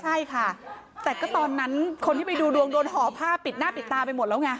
ใช่ค่ะแต่ก็ตอนนั้นคนที่ไปดูดวงโดนห่อผ้าปิดหน้าปิดตาไปหมดแล้วไง